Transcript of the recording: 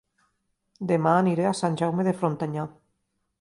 Dema aniré a Sant Jaume de Frontanyà